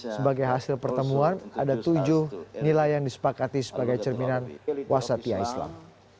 sebagai hasil pertemuan ada tujuh nilai yang disepakati sebagai cerminan wasatiyah islam